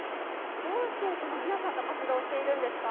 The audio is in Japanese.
どうしてこの皆さんと活動しているんですか？